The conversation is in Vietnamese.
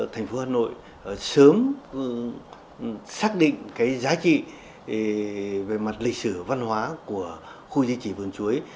thành phố hà nội sớm xác định cái giá trị về mặt lịch sử văn hóa của khu di trì vườn chuối